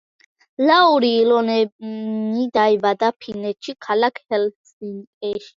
ლაური ილონენი დაიბადა ფინეთში, ქალაქ ჰელსინკიში.